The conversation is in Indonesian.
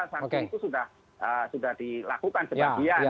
sanksi itu sudah dilakukan sebagian